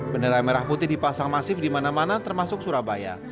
bendera merah putih dipasang masif di mana mana termasuk surabaya